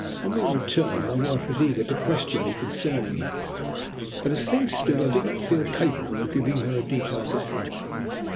On my return my wife was eager to question me concerning him, but as things stood I did not feel capable of giving her a detailed reply.